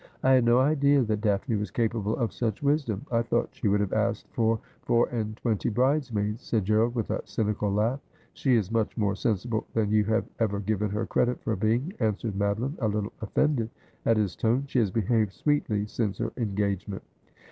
' I had no idea that Daphne was capable of such wisdom. I thought she would have asked for four and twenty bridesmaids,' said Gerald with a cynical laugh. ' She is much more sensible than you have ever given her credit for being,' answered Madoline, a little offended at his tone. ' She has behaved sweetly since her engagement.'